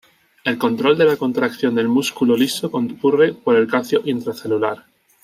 El control de la contracción del músculo liso ocurre por el calcio intracelular.